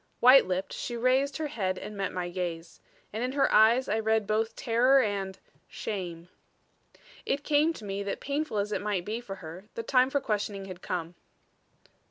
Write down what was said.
White lipped, she raised her head and met my gaze. And in her eyes I read both terror and shame. It came to me that painful as it might be for her the time for questioning had come.